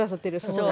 そう。